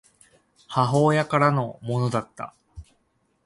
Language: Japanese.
母親からのものだった